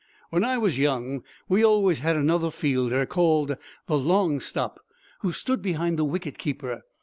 When I was young we always had another fielder, called the long stop, who stood behind the wicket keeper.